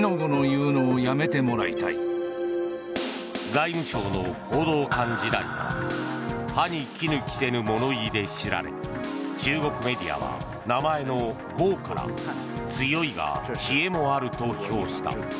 外務省の報道官時代から歯に衣着せぬ物言いで知られ中国メディアは名前の「剛」から「剛いが知恵もある」と評した。